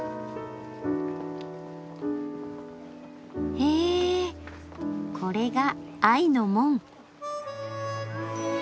へぇこれが愛の門！